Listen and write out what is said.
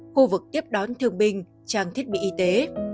khu vực tiếp đón thương binh trang thiết bị y tế